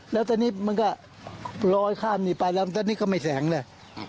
แล้วตอนนี้มันก็ลอยข้ามนี้ไปแล้วตอนนี้ก็ไม่แสงเลย